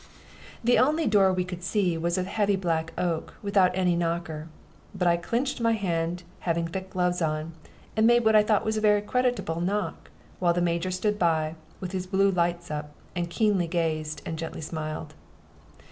The only door that we could see was of heavy black oak, without any knocker; but I clinched my hand, having thick gloves on, and made what I thought a very creditable knock, while the Major stood by, with his blue lights up, and keenly gazed and gently smiled.